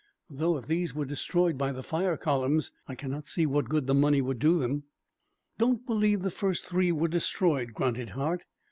Though if these were destroyed by the fire columns, I can not see what good the money would do them." "Don't believe the first three were destroyed," grunted Hart.